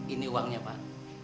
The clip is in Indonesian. ini uangnya pak